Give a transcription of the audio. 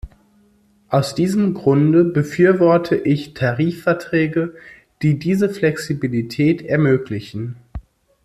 Aus diesem Grunde befürworte ich Tarifverträge, die diese Flexibilität ermöglichen.